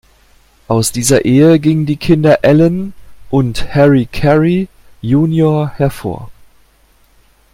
Aus dieser Ehe gingen die Kinder Ellen und Harry Carey junior hervor.